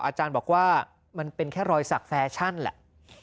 อาจารย์บอกว่ามันเป็นแค่รอยสักแฟชั่นแหละ